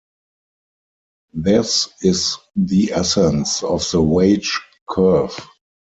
This is the essence of the wage curve.